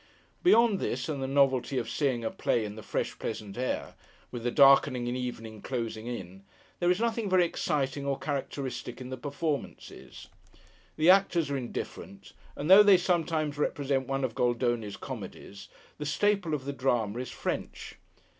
Beyond this, and the novelty of seeing a play in the fresh pleasant air, with the darkening evening closing in, there is nothing very exciting or characteristic in the performances. The actors are indifferent; and though they sometimes represent one of Goldoni's comedies, the staple of the Drama is French.